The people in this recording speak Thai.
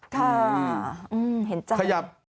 ค่ะเห็นใจ